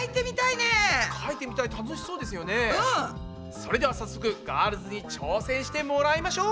それでは早速ガールズに挑戦してもらいましょう。